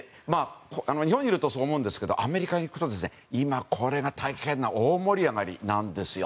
日本にいるとそう思うんですけどアメリカに行くと、今、これが大変な大盛り上がりなんですよ。